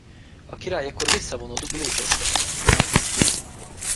A király ekkor visszavonult Gloucesterbe.